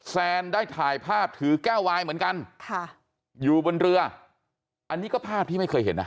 แซนได้ถ่ายภาพถือแก้ววายเหมือนกันค่ะอยู่บนเรืออันนี้ก็ภาพที่ไม่เคยเห็นอ่ะ